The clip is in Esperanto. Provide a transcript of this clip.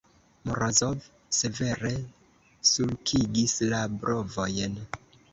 Morozov severe sulkigis la brovojn.